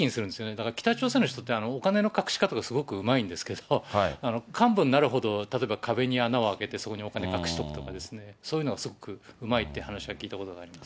だから、北朝鮮の人って、お金の隠し方がすごくうまいんですけど、幹部になるほど、例えば壁に穴を開けて、そこにお金隠しとくとかですね、そういうのがすごくうまいって話は聞いたことがあります。